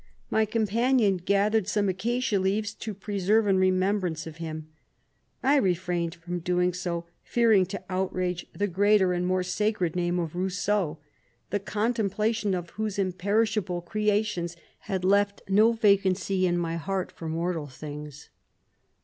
My companion gathered some aca cia leaves to preserve in remembrance of him. I refrained from doing so, fearing to outrage the greater and more 138 sacred name of Rousseau ; the con templation of whose imperishable crea tions had left no vacancy in my heart for mortal things.